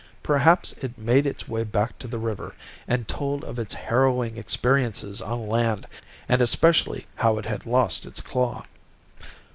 Perhaps it made its way back to the river, and told of its harrowing experiences on land, and especially how it had lost its claw.